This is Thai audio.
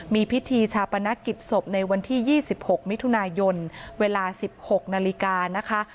มีพิธีชาปนกิจศพในวันที่๒๖มิถุนายนเวลา๑๖นาฬิกานะคะ